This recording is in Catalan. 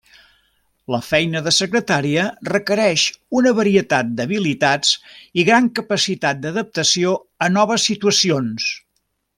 La feina de secretària requereix una varietat d'habilitats i gran capacitat d'adaptació a noves situacions.